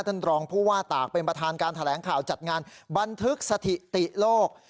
ท่านรองผู้ว่าตากเป็นประธานการแถลงข่าวจัดงานบันทึกสถิติโลก